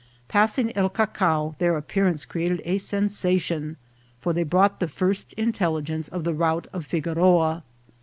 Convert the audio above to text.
Passing El Cacao their appearance created a sensation, for they brought the first intelligence of the rout of Fig oroa.